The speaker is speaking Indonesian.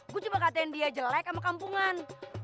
gue coba katakan dia jelek sama kampungan